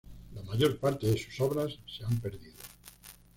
La mayor parte de sus obras se han perdido.